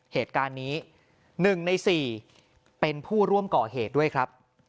เหตุการณ์นี้๑ใน๔เป็นผู้ร่วมก่อเหตุด้วยครับ